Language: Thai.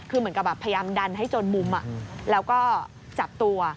คือเหมือนกับแบบพยายามดันให้จนมุมแล้วก็จับตัว